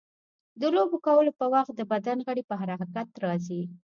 د لوبو کولو په وخت د بدن غړي په حرکت راځي.